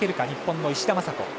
日本の石田正子。